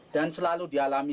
dan selalu dialami